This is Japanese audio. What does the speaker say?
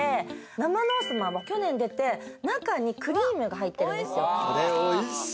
生ノースマンは去年出て、中にクリームが入ってるんですよ。